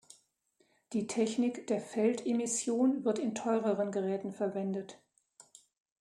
Die Technik der Feldemission wird in teureren Geräten verwendet.